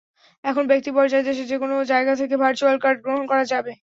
এখন ব্যক্তিপর্যায়ে দেশের যেকোনো জায়গা থেকে ভার্চ্যুয়াল কার্ড গ্রহণ করা যাবে।